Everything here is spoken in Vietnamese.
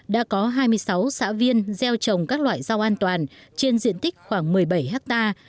đã có hai mươi sáu xã viên gieo trồng các loại rau an toàn trên diện tích khoảng một mươi bảy ha